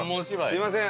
すみません